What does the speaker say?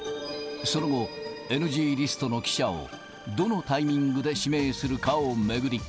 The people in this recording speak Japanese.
その後、ＮＧリストの記者を、どのタイミングで指名するかを巡り。